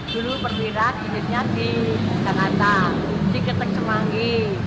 dulu perwira di singkirnya di singkir semangi